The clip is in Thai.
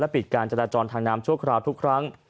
ปิดการจราจรทางน้ำชั่วคราวทุกครั้ง